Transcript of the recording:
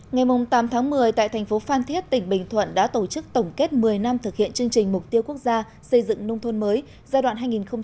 ngày tám tháng một mươi tại thành phố phan thiết tỉnh bình thuận đã tổ chức tổng kết một mươi năm thực hiện chương trình mục tiêu quốc gia xây dựng nông thôn mới giai đoạn hai nghìn một mươi sáu hai nghìn hai mươi